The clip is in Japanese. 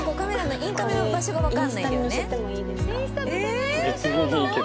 インカメの場所がわからないんだよね。